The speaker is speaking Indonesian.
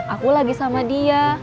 aku lagi sama dia